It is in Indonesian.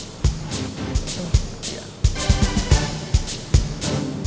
mbak michelle silahkan